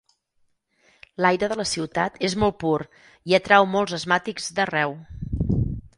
L'aire de la ciutat és molt pur, i atrau molts asmàtics d'arreu.